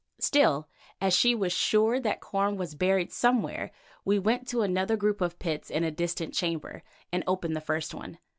Still, as she was sure that corn was buried somewhere, we went to another group of pits in a distant chamber, and opened the first one.